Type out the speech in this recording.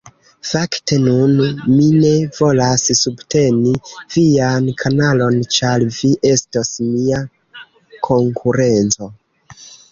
Fakte nun mi ne volas subteni vian kanalon ĉar vi estos mia konkurenco